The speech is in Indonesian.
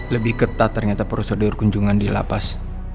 lebih ketat ternyata prosedur kunjungan di la paz